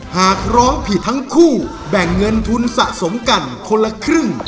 หากร้องผิดทั้งคู่แบ่งเงินทุนสะสมกันคนละครึ่ง